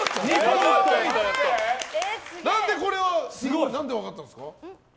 何でこれ分かったんですか？